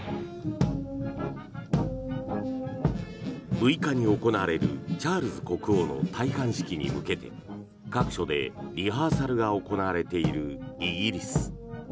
６日に行われるチャールズ国王の戴冠式に向けて各所でリハーサルが行われているイギリス。